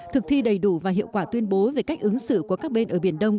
thực thi đầy đủ và hiệu quả tuyên bố về cách ứng xử của các bên ở biển đông